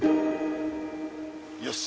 よし！